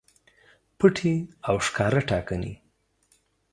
پټې او ښکاره ټاکنې